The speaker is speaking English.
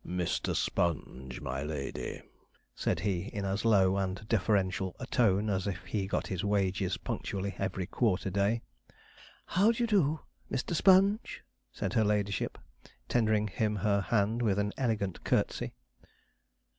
'Mr. Sponge, my lady,' said he in as low and deferential a tone as if he got his wages punctually every quarter day. 'How do you do. Mr. Sponge?' said her ladyship, tendering him her hand with an elegant curtsey.